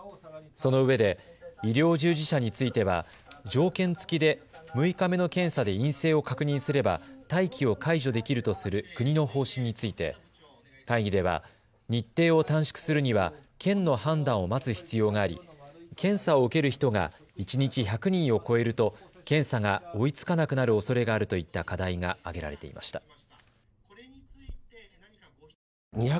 そのうえで医療従事者については条件付きで６日目の検査で陰性を確認すれば待機を解除できるとする国の方針について会議では日程を短縮するには県の判断を待つ必要があり検査を受ける人が一日１００人を超えると検査が追いつかなくなるおそれがあるといった課題が挙げられていました。